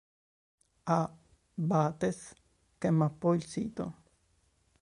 A. Bates, che mappò il sito.